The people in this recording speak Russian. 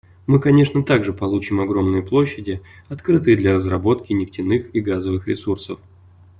Мы, конечно, также получим огромные площади, открытые для разработки нефтяных и газовых ресурсов.